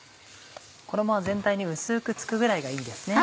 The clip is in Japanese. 衣は全体に薄く付くぐらいがいいですね。